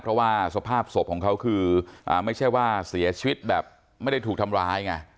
เพราะว่าสภาพศพของเขาคือไม่ใช่ว่าเสียชีวิตแบบไม่ได้ถูกทำร้ายไง